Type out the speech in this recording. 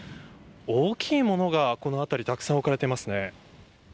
大きいものがこの辺りにたくさん置かれていますね。